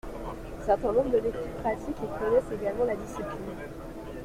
Certains membres de l'équipe pratiquent et connaissent également la discipline.